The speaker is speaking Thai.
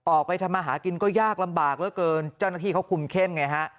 ออกไปทำมาหากินก็ยากลำบากเหลือเกินเจ้าหน้าที่เขาคุมเข้มไงฮะ